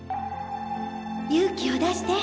勇気を出して！